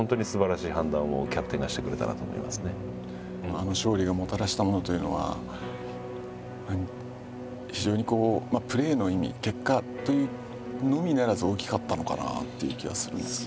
あの勝利がもたらしたものというのは非常にこうプレーの意味結果というのみならず大きかったのかなっていう気はするんですが。